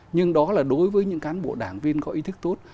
nhưng đó là đối với những cán bộ đảng viên có ý thức tốt